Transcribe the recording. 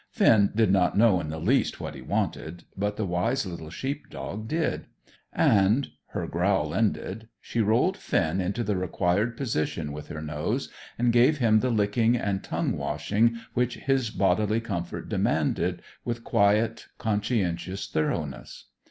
Finn did not know in the least what he wanted; but the wise little sheep dog did; and, her growl ended, she rolled Finn into the required position with her nose, and gave him the licking and tongue washing which his bodily comfort demanded, with quiet, conscientious thoroughness.